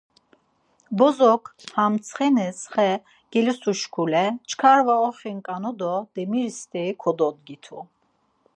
Bozok ham ntsxenis xe gelusuşkule çkar var oxiǩanu do demiri steri kododgitu.